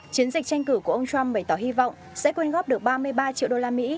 chiến dịch tranh cử của ông trump bày tỏ hy vọng sẽ quyên góp được ba mươi ba triệu đô la mỹ